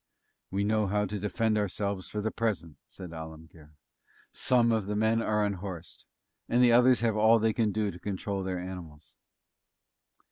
"We know how to defend ourselves for the present," said Alemguir; "some of the men are unhorsed, and the others have all they can do to control their animals."